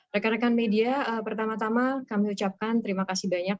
rekan rekan media pertama tama kami ucapkan terima kasih banyak